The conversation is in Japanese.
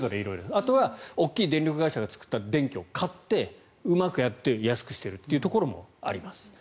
あとは大きい電力会社が作った電気を買ってうまくやって安くしているところもあります。